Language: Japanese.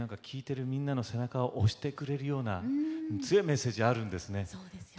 聴いてるみんなの背中を押してくれるような強いメッセージあるんですね。